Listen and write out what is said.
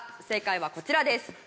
正解はこちらです。